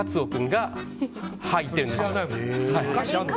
が入ってるんです。